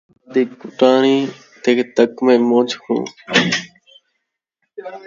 ذات دی کُٹاݨی تے تکمے من٘جھ کوں